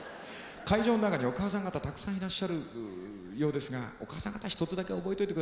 会場の中にお母さん方たくさんいらっしゃるようですがお母さん方一つだけ覚えといてください。